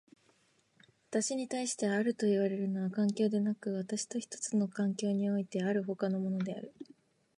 私に対してあるといわれるのは環境でなく、私と一つの環境においてある他のものである。